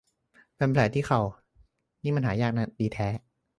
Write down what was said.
เป็นแผลที่เข่านี่มันหายยากดีแท้